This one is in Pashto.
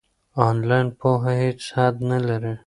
آنلاین پوهه هیڅ حد نلري.